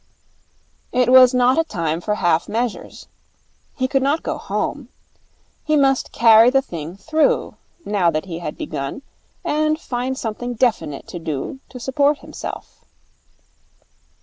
It was not a time for half measures. He could not go home. He must carry the thing through, now that he had begun, and find something definite to do, to support himself.